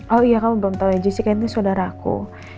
oh iya kamu belum tahu ya jessica itu saudaraku